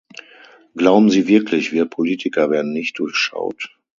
Glauben Sie wirklich, wir Politiker werden nicht durchschaut?